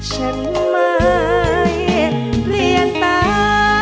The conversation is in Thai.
ฉันไม่เปลี่ยนตา